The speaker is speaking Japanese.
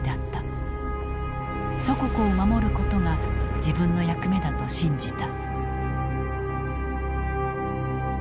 祖国を守ることが自分の役目だと信じた。